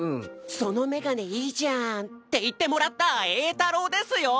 「その眼鏡いいじゃん」って言ってもらった栄太郎ですよ！